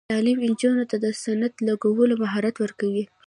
تعلیم نجونو ته د ستن لګولو مهارت ورکوي.